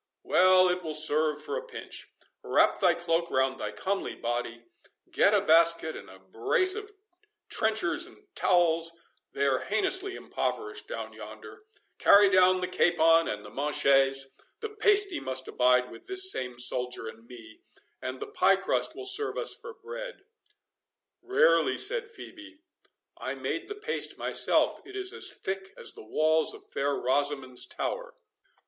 "Well, it will serve for a pinch—wrap thy cloak round thy comely body—get a basket and a brace of trenchers and towels, they are heinously impoverished down yonder—carry down the capon and the manchets—the pasty must abide with this same soldier and me, and the pie crust will serve us for bread." "Rarely," said Phœbe; "I made the paste myself—it is as thick as the walls of Fair Rosamond's Tower."